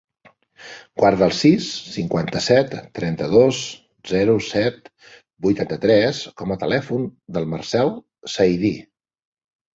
Guarda el sis, cinquanta-set, trenta-dos, zero, set, vuitanta-tres com a telèfon del Marcèl Saidi.